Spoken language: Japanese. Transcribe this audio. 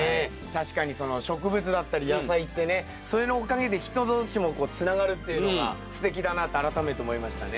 確かにその植物だったり野菜ってねそれのおかげで人同士もつながるっていうのがすてきだなって改めて思いましたね。